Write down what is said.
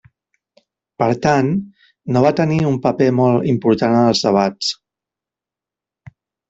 Per tant, no va tenir un paper molt important en els debats.